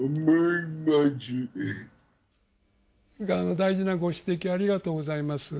大事なご指摘ありがとうございます。